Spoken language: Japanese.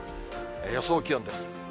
予想気温です。